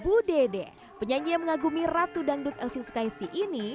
bu dede penyanyi yang mengagumi ratu dangdut elvin sukaisi ini